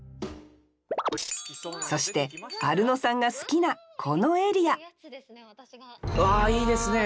そしてアルノさんが好きなこのエリアうわいいですね。